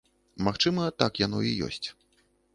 Магчыма, так яно і ёсць.